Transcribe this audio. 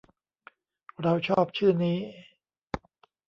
เราชอบชื่อนี้